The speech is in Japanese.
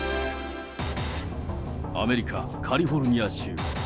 アメリカ・カリフォルニア州。